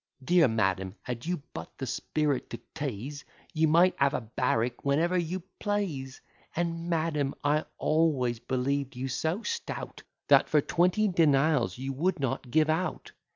"Dear Madam, had you but the spirit to tease, You might have a barrack whenever you please: And, madam, I always believed you so stout, That for twenty denials you would not give out.